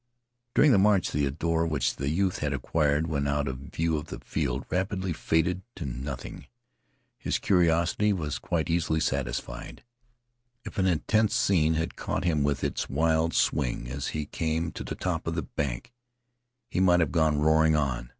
During the march the ardor which the youth had acquired when out of view of the field rapidly faded to nothing. His curiosity was quite easily satisfied. If an intense scene had caught him with its wild swing as he came to the top of the bank, he might have gone roaring on.